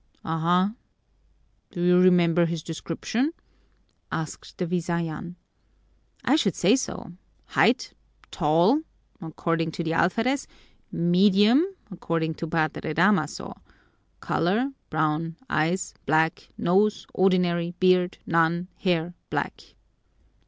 "Aha! Do you remember his description?" asked the Visayan. "I should say so! Height: tall, according to the alferez, medium, according to Padre Damaso; color, brown; eyes, black; nose, ordinary; beard, none; hair, black."